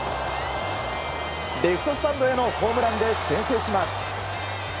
レフトスタンドへのホームランで先制します。